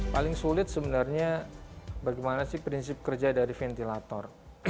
paling sulit sebenarnya bagaimana sih prinsip kerja dari ventilator